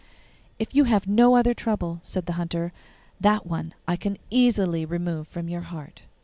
'If you have no other trouble,' said the Hunter, 'that one I can easily remove from your heart.